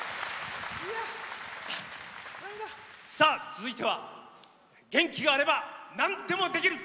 続いては元気があればなんでもできる！